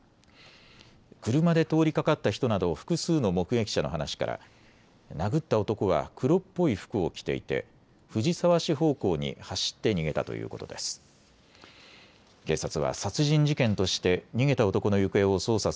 車で通りかかった人など複数の目撃者の話から殴った男は黒っぽい服を着ていて藤沢市方向に走って逃げたということです。